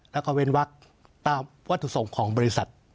แล้วก็เว้นวักตามวัตถุส่งของบริษัท